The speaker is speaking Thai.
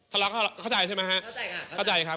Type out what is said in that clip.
ทะเลาะเข้าใจใช่ไหมครับ